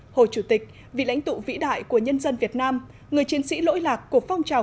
hồ chủ tịch vị lãnh tụ vĩ đại của nhân dân việt nam người chiến sĩ lỗi lạc của phong trào